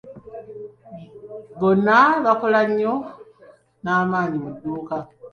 Bonna bakola nnyo n'amaanyi mu duuka.